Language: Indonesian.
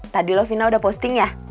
tadi lo fina udah posting ya